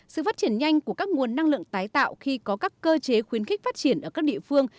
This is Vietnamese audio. sự phát triển nhanh của các nguồn năng lượng tái tạo khi có các cơ chế khuyến khích phát triển ở các địa phương